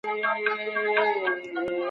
موږ باید په نړۍ کي د نېکۍ تخم وکرو.